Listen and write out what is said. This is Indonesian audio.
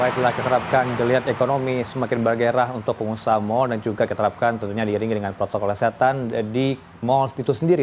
baiklah keterapkan kelihatan ekonomi semakin bergerak untuk pengusaha mall dan juga keterapkan tentunya diiringi dengan protokol kesehatan di mall itu sendiri